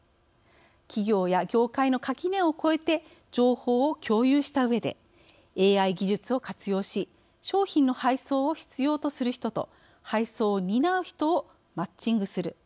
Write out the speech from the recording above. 企業や業界の垣根を越えて情報を共有したうえでＡＩ技術を活用し商品の配送を必要とする人と配送を担う人をマッチングする。